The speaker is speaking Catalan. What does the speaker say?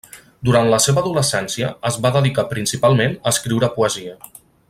Durant la seva adolescència es va dedicar principalment a escriure poesia.